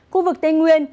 khu vực tây nguyên